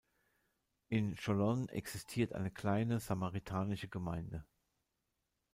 In Cholon existiert eine kleine samaritanische Gemeinde.